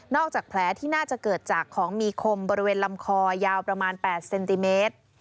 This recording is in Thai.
จากแผลที่น่าจะเกิดจากของมีคมบริเวณลำคอยาวประมาณ๘เซนติเมตร